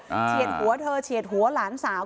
เฉียดหัวเธอเฉียดหัวหลานสาว